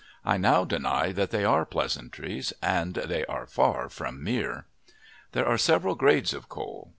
I now deny that they are pleasantries, and they are far from "mere." There are several grades of coal.